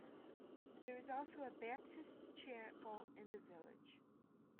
There is also a Baptist Chapel in the village.